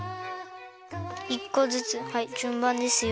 １こずつはいじゅんばんですよ。